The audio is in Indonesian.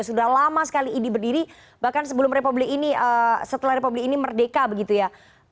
sudah lama sekali idi berdiri bahkan sebelum republik ini setelah republik ini merdeka begitu ya